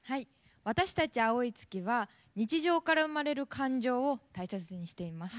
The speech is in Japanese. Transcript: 私たちアオイツキは日常から生まれる感情を大切にしています。